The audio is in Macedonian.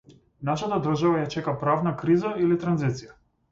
Нашата држава ја чека правна криза или транзиција.